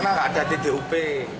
karena nggak ada dtup